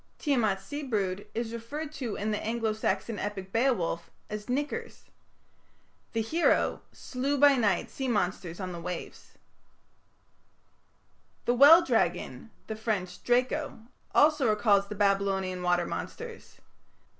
" Tiamat's sea brood is referred to in the Anglo Saxon epic Beowulf as "nickers". The hero "slew by night sea monsters on the waves" (line 422). The well dragon the French "draco" also recalls the Babylonian water monsters.